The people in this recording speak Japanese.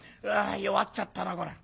「弱っちゃったなこら」。